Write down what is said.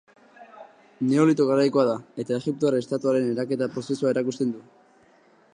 Neolito garaikoa da, eta egiptoar estatuaren eraketa prozesua erakusten du.